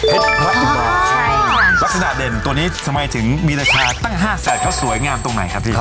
เพศพระอุมาค่ะใช่ค่ะลักษณะเด่นตัวนี้สมัยถึงมีราชาตั้ง๕แสดเขาสวยงามตรงไหนครับพี่